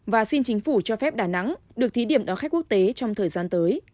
và xin chính phủ cho phép đà nẵng được thí điểm đón khách quốc tế trong thời gian tới